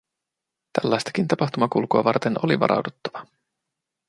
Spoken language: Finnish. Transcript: Tällaistakin tapahtumakulkua varten oli varauduttava.